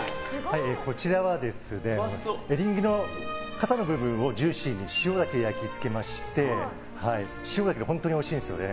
こちらは、エリンギのかさの部分をジューシーに塩だけ焼き付けまして塩だけで本当においしいんですよね。